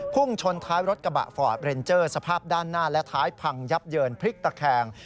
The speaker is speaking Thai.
พุ่งชนท้ายรถกระบะฟอร์ดเรนเจอร์สภาพด้านหน้าและท้ายพังยับเยินพลิกตะแคง